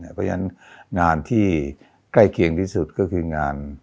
เพราะฉะนั้นงานที่ใกล้เคียงที่สุดก็คืองาน